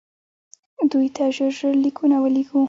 دوی ته ژر ژر لیکونه ولېږو.